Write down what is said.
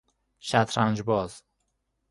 شطرنج باز